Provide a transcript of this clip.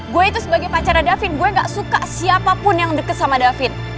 gue itu sebagai pacara davin gue gak suka siapapun yang deket sama david